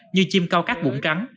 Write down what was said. như chim cao cát bụng trắng